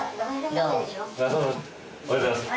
おはようございます。